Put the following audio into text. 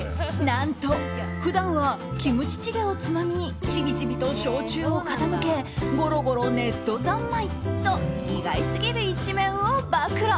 何と普段はキムチチゲをつまみにちびちびと焼酎を傾けゴロゴロ、ネット三昧と意外すぎる一面を暴露。